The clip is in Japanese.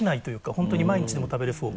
本当に毎日でも食べれそう。